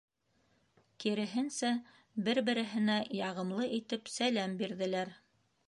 Киреһенсә, бер-береһенә яғымлы итеп сәләм бирҙеләр.